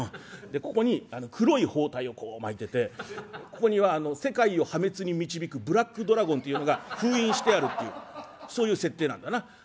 でここに黒い包帯を巻いててここには世界を破滅に導くブラックドラゴンというのが封印してあるっていうそういう設定なんだな。